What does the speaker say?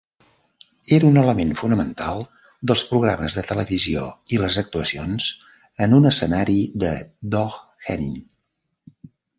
Era un element fonamental dels programes de televisió i les actuacions en un escenari de Doug Henning.